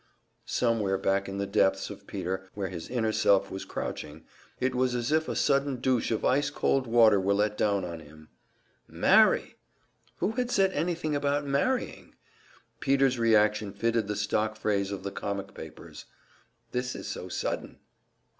Somewhere back in the depths of Peter, where his inner self was crouching, it was as if a sudden douche of ice cold water were let down on him. "Marry!" Who had said anything about marrying? Peter's reaction fitted the stock phrase of the comic papers: "This is so sudden!"